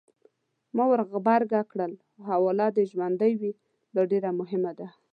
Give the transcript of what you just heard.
ما ورغبرګه کړل: حواله دې ژوندۍ وي! دا ډېره مهمه ده.